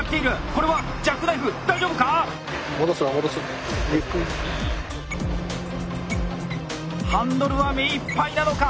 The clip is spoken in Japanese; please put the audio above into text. これはジャックナイフ大丈夫か⁉ハンドルは目いっぱいなのか。